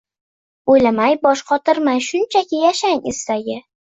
O‘ylamay, bosh qotirmay shunchaki yashash istagi